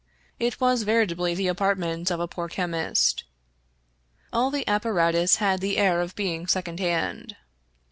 It was veritably the apartment of a poor chemist. All the apparatus had the air of being second hand.